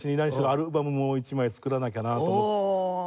アルバムも１枚作らなきゃなと思ってるので。